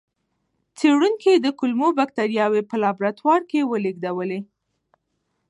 څېړونکي د کولمو بکتریاوې په لابراتوار کې ولېږدولې.